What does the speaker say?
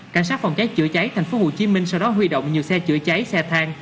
cảnh sát phòng cháy chữa cháy tp hcm sau đó huy động nhiều xe chữa cháy xe thang